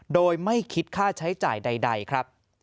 โดยไม่คิดค่าใช้จ่ายใดครับ